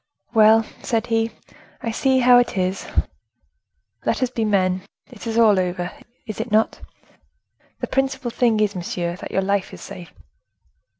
"Well," said he, "I see how it is. Let us be men! It is all over, is it not? The principal thing is, monsieur, that your life is safe."